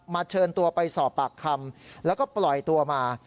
เชิญตัวไปสอบปากคำแล้วก็ปล่อยตัวมา